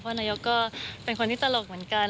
เพราะนายกก็เป็นคนที่ตลกเหมือนกัน